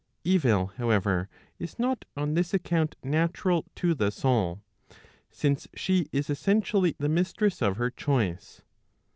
Evil however, is not on this account natural to the soul; since she is essentially the mistress of her choice.